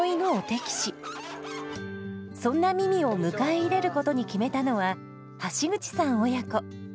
そんなミミを迎え入れることに決めたのは橋口さん親子。